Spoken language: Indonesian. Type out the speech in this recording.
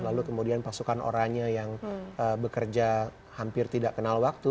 lalu kemudian pasukan orangnya yang bekerja hampir tidak kenal waktu